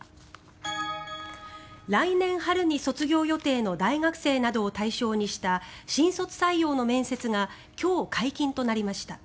来年春に卒業予定の大学生などを対象にした新卒採用の面接が今日、解禁となりました。